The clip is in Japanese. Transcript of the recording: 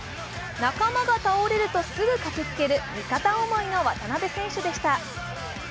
仲間が倒れるとすぐ駆けつける味方思いの渡邊選手でした。